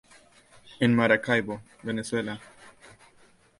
En Maracaibo, Venezuela.